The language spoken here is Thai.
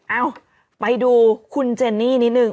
เอ้าไปดูคุณเจนนี่นิดนึง